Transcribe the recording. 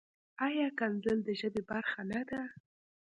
ایا کنځل د ژبې برخه نۀ ده؟